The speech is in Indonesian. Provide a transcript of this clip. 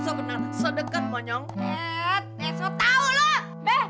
oh berani masih